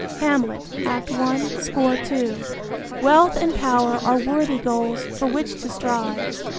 Hamlet, Act I, Sc. 3. Wealth and power are worthy goals for which to strive.